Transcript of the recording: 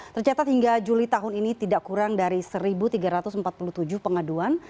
tercatat hingga juli tahun ini tidak kurang dari satu tiga ratus empat puluh tujuh pengaduan